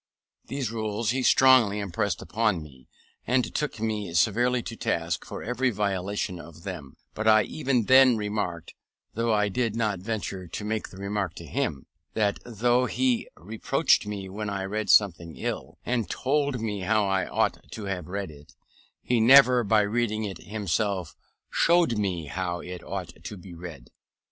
These rules he strongly impressed upon me, and took me severely to task for every violation of them: but I even then remarked (though I did not venture to make the remark to him) that though he reproached me when I read a sentence ill, and told me how I ought to have read it, he never by reading it himself, showed me how it ought to be read.